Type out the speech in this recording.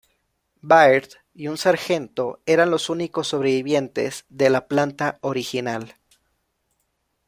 Baird y un sargento eran los únicos sobrevivientes de la planta original.